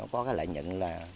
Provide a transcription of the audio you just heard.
có lợi nhuận